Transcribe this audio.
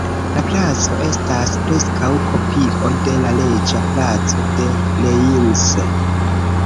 La placo estas preskaŭ kopio de la Reĝa Placo de Reims.